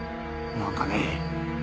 なんかね？